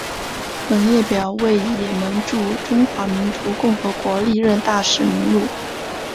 本列表为也门驻中华人民共和国历任大使名录。